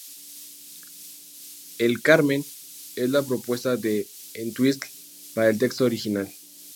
El "Carmen" es la propuesta de Entwistle para el texto original.